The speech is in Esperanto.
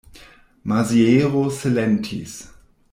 Maziero silentis.